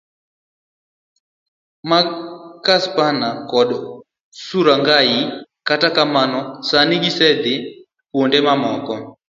mag Kipsaina kod Surungai, kata kamano, sani gisedhi kuonde mamoko.